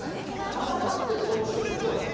戦ってそうしてるんですね。